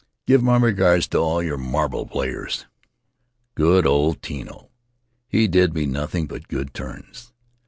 Give my regards to all the marble players. Good old Tino ! He did me nothing but good turns.